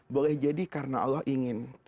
boleh jadi karena allah ingin